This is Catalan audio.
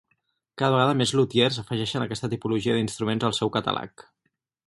Cada vegada més lutiers afegeixen aquesta tipologia d'instruments al seu catàleg.